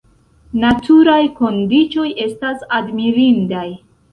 Naturaj kondiĉoj estas admirindaj.